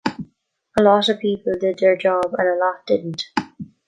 "A lot of people did their job, and a lot didn't".